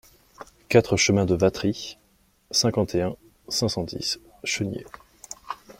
quatre chemin de Vatry, cinquante et un, cinq cent dix, Cheniers